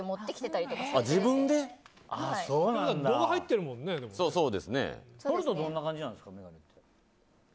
取るとどんな感じなんですか？